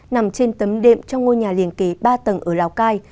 nằm trên tấm đệm trong ngôi nhà liền kề ba tầng ở lào cai